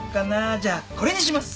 じゃこれにします。